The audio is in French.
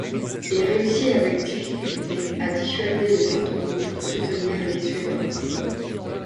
Il réussit avec difficulté à dissuader les Ottomans de soutenir les Suédois.